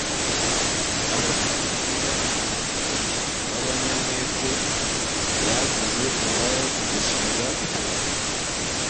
abapayiniya b abanyamwete bagize uruhare mu gushing ipoto